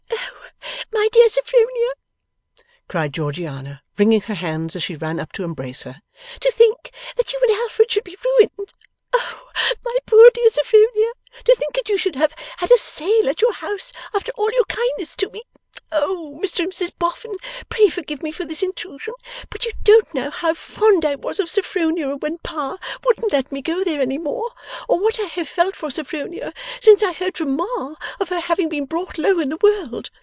'Oh, my dear Sophronia,' cried Georgiana, wringing her hands as she ran up to embrace her, 'to think that you and Alfred should be ruined! Oh, my poor dear Sophronia, to think that you should have had a Sale at your house after all your kindness to me! Oh, Mr and Mrs Boffin, pray forgive me for this intrusion, but you don't know how fond I was of Sophronia when Pa wouldn't let me go there any more, or what I have felt for Sophronia since I heard from Ma of her having been brought low in the world.